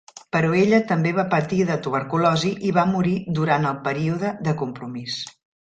Però ella també va patir de tuberculosi i va morir durant el període de compromís.